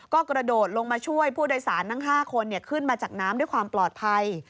ก็กระโดดลงมาช่วยผู้โดยสารทั้ง๕คนขึ้นมาจากน้ำด้วยความปลอดภัย